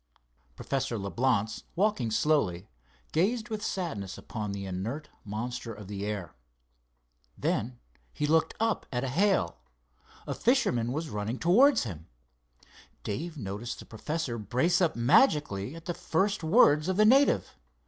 Professor Leblance, walking slowly, gazed with sadness upon the inert monster of the air. Then he looked up at a hail. A fisherman was running towards him. Dave noticed the professor brace up magically at the first words of the native.